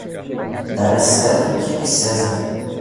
Dar a César o que é de César